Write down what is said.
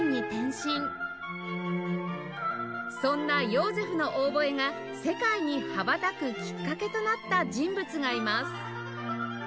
そんなヨーゼフのオーボエが世界に羽ばたくきっかけとなった人物がいます